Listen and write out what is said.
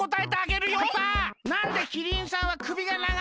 なんでキリンさんはくびがながいの？